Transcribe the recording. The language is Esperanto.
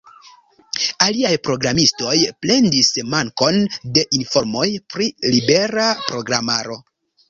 Aliaj programistoj plendis mankon de informoj pri libera programaro.